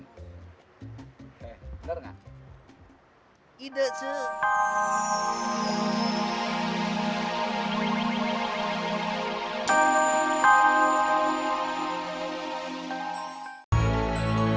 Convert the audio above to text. oke benar gak